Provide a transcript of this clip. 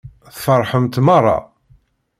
Tfeṛḥemt meṛṛa.